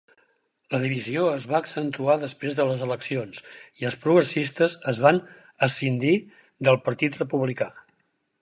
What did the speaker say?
La divisió es va accentuar després de les eleccions i els progressistes es van escindir del Partit Republicà.